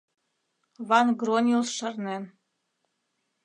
Ван-Грониус шарнен.